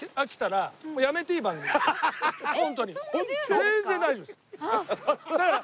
全然大丈夫です。